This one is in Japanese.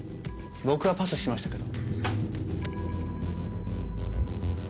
僕はパスしましたけど。